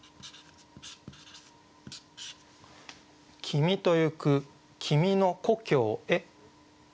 「君とゆく君の故郷へ」。